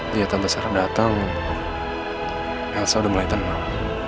lihat tante sarah datang elsa udah mulai tenang